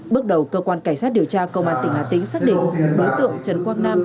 bước đầu cơ quan cảnh sát điều tra công an tỉnh hà tĩnh xác định đối tượng trần quang nam